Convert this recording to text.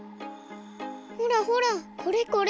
ほらほらこれこれ。